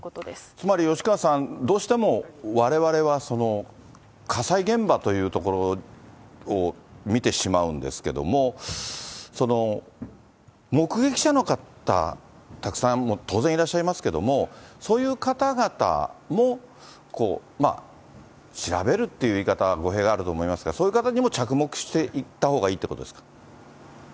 つまり吉川さん、どうしてもわれわれは、火災現場という所を見てしまうんですけど、目撃者の方、たくさん当然いらっしゃいますけども、そういう方々も調べるっていう言い方、語弊があると思いますが、そういう方にも着目していったほうがいいってことですか。